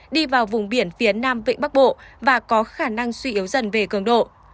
đi vào vùng biển phía nam vịnh bắc bộ và có khả năng suy yếu dần về cường độ